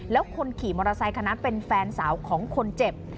แล้วคนขี่มอเตอร์ไซคันนั้นเป็นแฟนสาวของคนเจ็บ